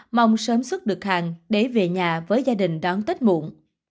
mong sớm xuất được hàng để về nhà với gia đình đón tết muộn